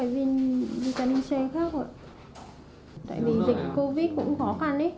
tại vì dịch covid cũng khó khăn